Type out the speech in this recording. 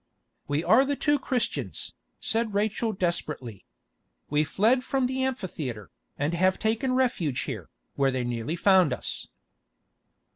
"We are the two Christians," said Rachel desperately. "We fled from the amphitheatre, and have taken refuge here, where they nearly found us."